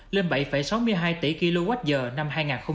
lên bảy sáu mươi hai tỷ kwh năm hai nghìn một mươi chín